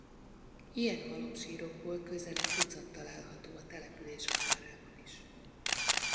Ilyen halomsírokból közel egy tucat található a település határában is.